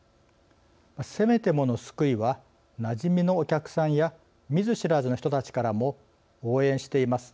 せめてもの救いはなじみのお客さんや見ず知らずの人たちからも「応援しています」